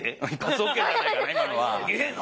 え？